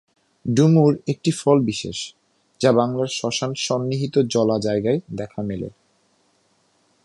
ডুমুর একটি ফল বিশেষ, যা বাংলার শ্মশান সন্নিহিত জলা জায়গায় দেখা মেলে।